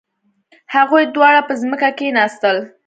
هغوی دواړه په ځمکه کښیناستل.